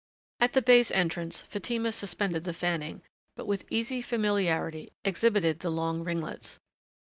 At the bey's entrance Fatima suspended the fanning, but with easy familiarity exhibited the long ringlets.